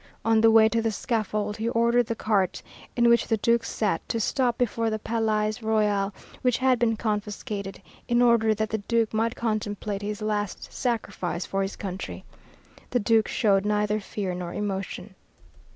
On the way to the scaffold he ordered the cart, in which the Duke sat, to stop before the Palais Royal, which had been confiscated, in order that the Duke might contemplate his last sacrifice for his country. The Duke showed neither fear nor emotion.